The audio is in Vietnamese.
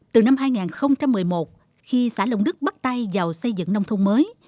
từ năm hai nghìn một mươi một khi xã lông đức bắt tay vào xây dựng nông thôn mới